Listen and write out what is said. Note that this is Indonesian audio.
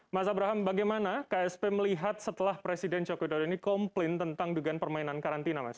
mas abraham bagaimana ksp melihat setelah presiden joko widodo ini komplain tentang dugaan permainan karantina mas